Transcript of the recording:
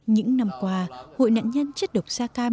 những năm qua hội nạn nhân chất độc sa cam